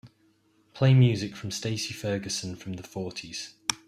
Play music from Stacy Ferguson from the fourties